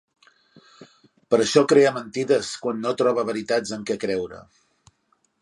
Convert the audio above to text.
Per això crea mentides quan no troba veritats en què creure.